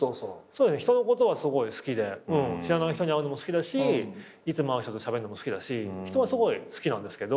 人のことはすごい好きで知らない人に会うのも好きだしいつも会う人としゃべるのも好きだし人はすごい好きなんですけど。